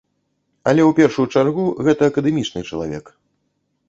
Але ў першую чаргу гэта акадэмічны чалавек.